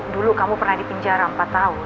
dulu kamu pernah dipenjara empat tahun